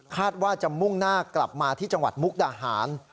ว่าจะมุ่งหน้ากลับมาที่จังหวัดมุกดาหาร